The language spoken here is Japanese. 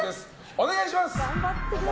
お願いします。